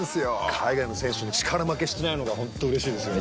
海外の選手に力負けしてないのが本当うれしいですよね。